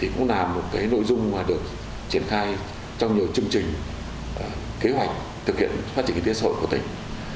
cũng là một nội dung được triển khai trong nhiều chương trình kế hoạch thực hiện phát triển kinh tế xã hội của tỉnh